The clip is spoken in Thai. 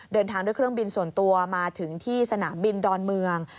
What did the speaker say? เดินทางด้วยเครื่องบินส่วนตัวมาถึงที่สนามบินดอนเมือง